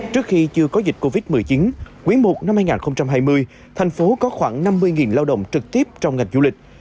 trước khi chưa có dịch covid một mươi chín quý i năm hai nghìn hai mươi thành phố có khoảng năm mươi lao động trực tiếp trong ngành du lịch